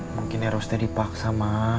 mungkin eros tadi paksa ma